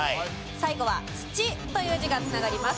最後は「土」という字が繋がります。